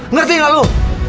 ngerti gak lu